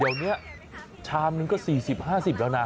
เดี๋ยวนี้ชามนึงก็๔๐๕๐แล้วนะ